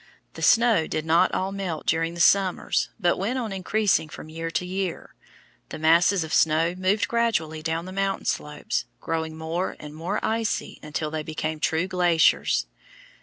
The snow did not all melt during the summers, but went on increasing from year to year. The masses of snow moved gradually down the mountain slopes, growing more and more icy until they became true glaciers.